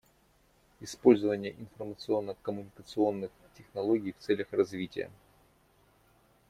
Использование информационно-коммуникационных технологий в целях развития.